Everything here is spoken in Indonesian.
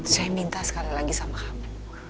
saya minta sekali lagi sama kamu